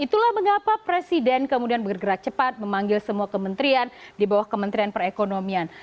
itulah mengapa presiden kemudian bergerak cepat memanggil semua kementerian di bawah kementerian perekonomian